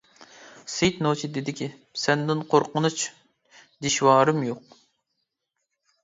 سېيىت نوچى دېدىكى: سەندىن قورقۇنچ، دىشۋارىم يوق.